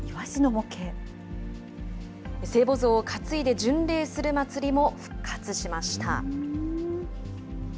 聖母像を担いで巡礼する祭りも復活しました。